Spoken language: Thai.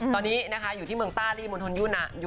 ตอนนี้นะคะอยู่ที่เมืองต้าลี่มณฑลยุนะ